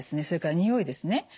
それから匂いですね